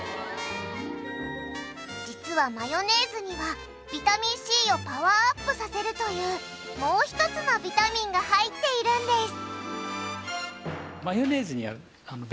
実はマヨネーズにはビタミンＣをパワーアップさせるというもう一つのビタミンが入っているんです。